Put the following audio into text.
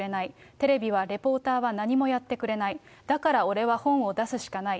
テレビはレポーターは何もやってくれない、だから俺は本を出すしかない。